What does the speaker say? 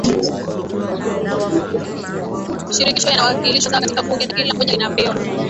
shirikisho yanawakilishwa sawa katika bunge na kila moja linapewa